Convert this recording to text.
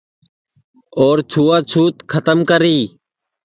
اور چھوا چھوت کھتم کری